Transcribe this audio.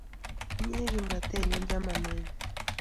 Inye ii kimnatenyu chamanenyu